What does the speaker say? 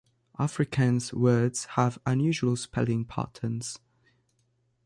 Afrikaans words have unusual spelling patterns.